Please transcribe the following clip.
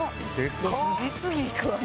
次々いくわね。